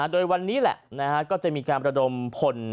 โดยวันนี้แหละก็จะมีการประดมพล